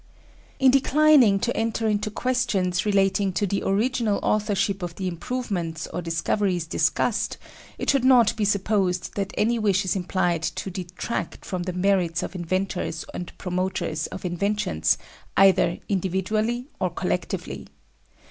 In declining to enter into questions relating to the original authorship of the improvements or discoveries discussed, it should not be supposed that any wish is implied to detract from the merits of inventors and promoters of inventions, either individually or collectively.